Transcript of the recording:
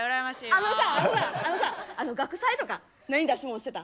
あのさあのさあのさ学祭とか何出し物してた？